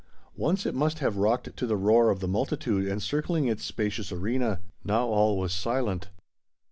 Once it must have rocked to the roar of the multitude encircling its spacious arena. Now all was silent.